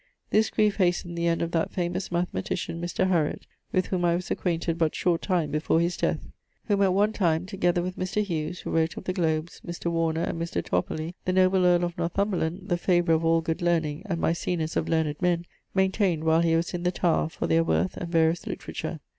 This griefe hastened the end of that famous mathematician Mr. Hariot with whom I was acquainted but short time before his death; whom at one time, together with Mr. Hughes (who wrote of the globes), Mr. Warner, and Mr. Torporley, the noble earle of Northumberland, the favourer of all good learning and Maecenas of learned men, maintained while he was in the Tower, for their worth and various literature.'